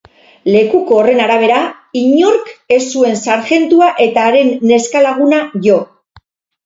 Lekuko horren arabera, inork ez zuen sarjentua eta haren neska-laguna jo.